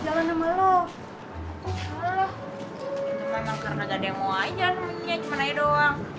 hah cuma karena ga ada yang mau aja namanya cuman aja doang